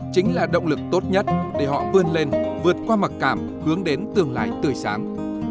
chính là động lực tốt nhất để họ vươn lên vượt qua mặc cảm hướng đến tương lai tươi sáng